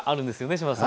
島田さん。